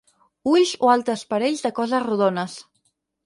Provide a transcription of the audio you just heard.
Ulls o altres parells de coses rodones.